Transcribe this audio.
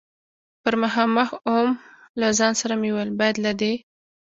پر مخامخ ووم، له ځان سره مې وویل: باید له دې.